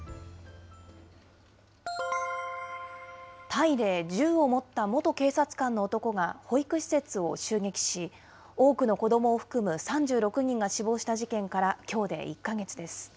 タイで銃を持った元警察官の男が保育施設を襲撃し、多くの子どもを含む３６人が死亡した事件からきょうで１か月です。